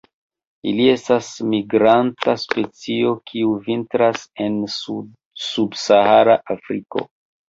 Ili estas migranta specio, kiu vintras en subsahara Afriko.